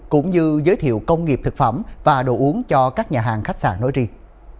cũng như giới thiệu công nghiệp thực phẩm và đồ uống cho các nhà hàng khách sạn nói riêng